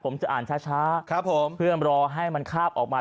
ผมจะอ่านช้าครับผมเพื่อรอให้มันคาบออกมา